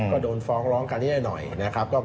ก็โดนฟ้องร้องกันให้หน่อยนะครับ